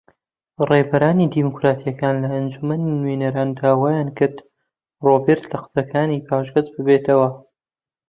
ڕێبەرانی دیموکراتەکان لە ئەنجومەنی نوێنەران داوایان کرد ڕۆبێرت لە قسەکانی پاشگەز ببێتەوە